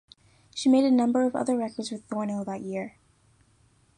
She made a number of other records with Thornhill that year.